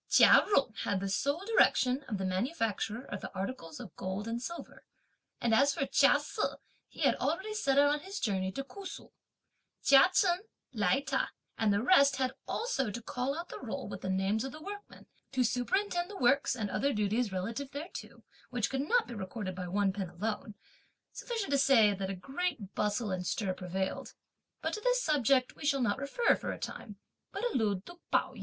Chia Jung had the sole direction of the manufacture of the articles in gold and silver; and as for Chia Se, he had already set out on his journey to Ku Su. Chia Chen, Lai Ta and the rest had also to call out the roll with the names of the workmen, to superintend the works and other duties relative thereto, which could not be recorded by one pen alone; sufficient to say that a great bustle and stir prevailed, but to this subject we shall not refer for a time, but allude to Pao yü.